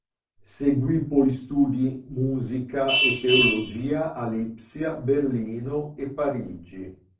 Seguì poi studi musica e teologia a Lipsia, Berlino e Parigi.